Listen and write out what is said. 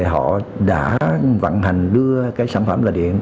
họ đã vận hành đưa cái sản phẩm là điện